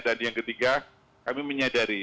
dan yang ketiga kami menyadari